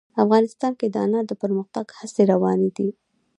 افغانستان کې د انار د پرمختګ هڅې روانې دي.